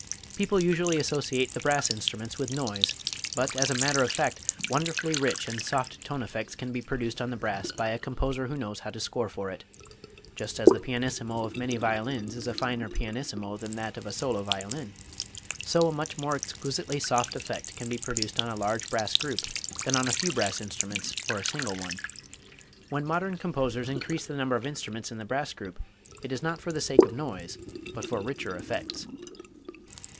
People usually associate the brass instruments with noise. But as a matter of fact, wonderfully rich and soft tone effects can be produced on the brass by a composer who knows how to score for it. Just as the pianissimo of many violins is a finer pianissimo than that of a solo violin, so a much more exquisitely soft effect can be produced on a large brass group than on a few brass instruments or a single one. When modern composers increase the number of instruments in the brass group, it is not for the sake of noise, but for richer effects.